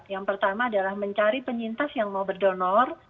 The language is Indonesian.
yang pertama adalah mencari penyintas yang mau berdonor